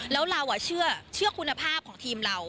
แล้วเราเชื่อคุณภาพของทีมเรา